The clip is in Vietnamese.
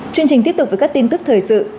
chương trình tiếp tục với các tin tức thời sự